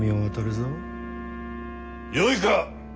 よいか！